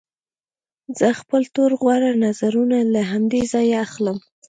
زه خپل ټول غوره نظرونه له همدې ځایه اخلم